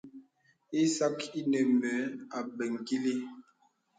Ìsak ìnə mə abəŋ kìlì.